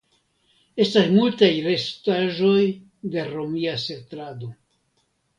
Estas multaj restaĵoj de romia setlado.